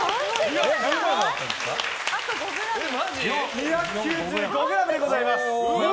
２９５ｇでございます。